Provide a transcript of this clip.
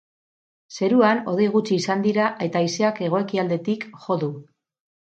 Zeruan hodei gutxi izan dira eta haizeak hego-ekialdetik jo du.